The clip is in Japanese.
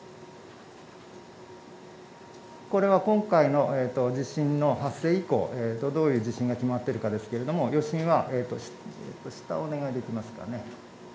これは今回の地震の発生以降、どういう地震が決まってるかですけれども、余震は下、お願いできますかね。